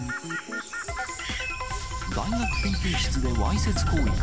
大学研究室でわいせつ行為か。